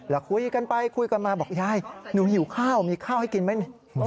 แล้วคุยกันไปคุยกันมาบอกยายหนูหิวข้าวมีข้าวให้กินไหม